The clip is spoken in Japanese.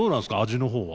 味の方は。